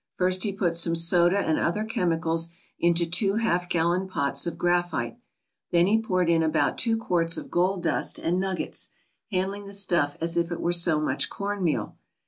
First he put some soda and other chemicals into two half gallon pots of graphite. . Then he poured in about two quarts of gold dust and nuggets, handling the stuff as if it were so much cornmeal.